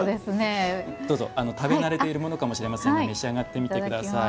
どうぞ食べなれているものかもしれませんが召し上がってみてください。